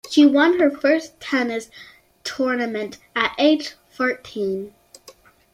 She won her first tennis tournament at age fourteen.